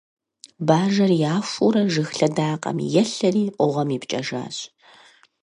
Бажэр яхуурэ, жыг лъэдакъэм елъэри гъуэм ипкӀэжащ.